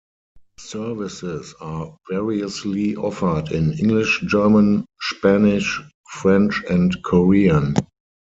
Services are variously offered in English, German, Spanish, French, and Korean.